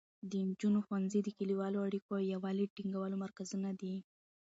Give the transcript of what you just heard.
د نجونو ښوونځي د کلیوالو اړیکو او یووالي د ټینګولو مرکزونه دي.